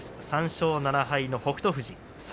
３勝７敗、北勝富士。